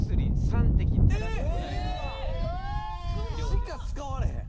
しか使われへん。